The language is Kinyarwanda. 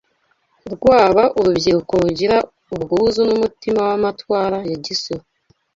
rwaba urubyiruko rugira ubwuzu n’umutima w’amatwara ya gisore